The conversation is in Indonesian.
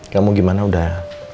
kamu gimana udah